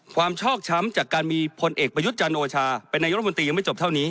ความชอบช้ำจากการมีพลเอกประยุจจันโอชาเป็นนายุทธรรมพลังประตูปธิยาแอร์ยังไม่จบเท่านี้